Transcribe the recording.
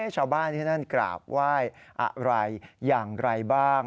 ชาวบ้านที่นั่นกราบไหว้อะไรอย่างไรบ้าง